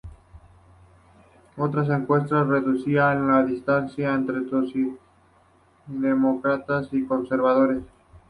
Otras encuestas reducían la distancia entre socialdemócratas y conservadores.